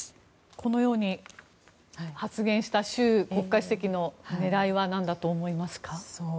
このように発言した習国家主席の狙いは何だと思いますか？